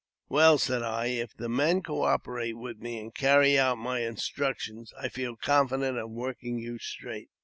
"Well," said I, "if the men co operate with me, and carry out my instructions, I feel ^confident of working you straight."